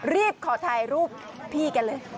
รีบขอถ่ายรูปพี่กันเลย